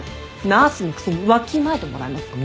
ナースのくせにわきまえてもらえますか？